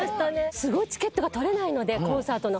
すごいチケットが取れないのでコンサートの。